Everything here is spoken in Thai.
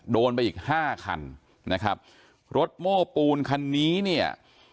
โดนไปอีกห้าคันนะครับรถโม้ปูนคันนี้เนี่ย